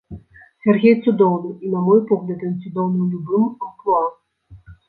Сяргей цудоўны, і на мой погляд ён цудоўны у любым амплуа.